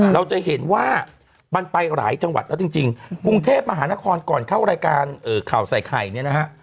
เราจะเห็นว่ามันไปหลายจังหวัดแล้วจริงกรุงเทพมหานครก่อนเข้ารายการข่าวใส่ไข่เนี่ยนะฮะ